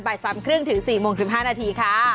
บ่ายซ้ำเครื่องถึง๔โมง๑๕นาที